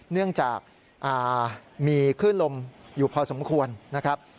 เนื่องจากมีคลื่นลมอยู่พอสมควรนะครับ